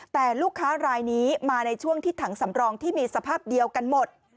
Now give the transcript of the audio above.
แต่ลูกค้ารายนี้มาในช่วงที่ถังสำรองที่มีสภาพเดียวกันหมด